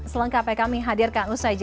selengkapnya kami hadirkan usai jeda